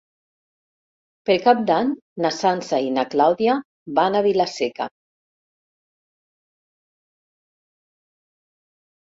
Per Cap d'Any na Sança i na Clàudia van a Vila-seca.